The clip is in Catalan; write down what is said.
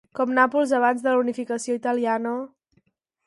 Com Nàpols abans de la unificació italiana...